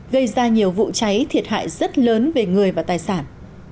gây ra nhiều vụ cháy thiệt hại rất lớn về người và tài sản